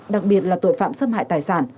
đặc biệt là tội phạm xâm hại tài sản